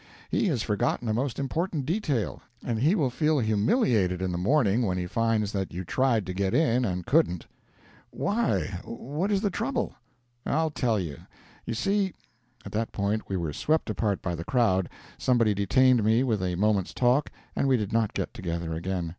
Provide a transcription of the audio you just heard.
He has forgotten a most important detail, and he will feel humiliated in the morning when he finds that you tried to get in and couldn't." "Why, what is the trouble?" "I'll tell you. You see " At that point we were swept apart by the crowd, somebody detained me with a moment's talk, and we did not get together again.